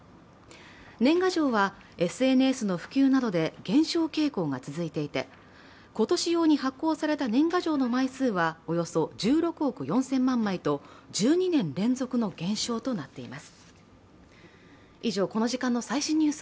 年賀状はＳＮＳの普及などで減少傾向が続いていて今年用に発行された年賀状の枚数はおよそ１６億４０００万枚と１２年連続の減少となっています。